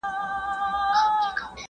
هرڅه څرنګه سي مړاوي هر څه څرنګه وچیږي `